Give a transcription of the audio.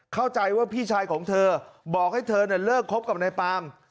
เข้าใจว่าพี่ชายของเธอบอกให้เธอเลิกคบกับนายปาล์ม